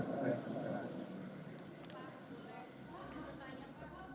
waalaikumsalam warahmatullahi wabarakatuh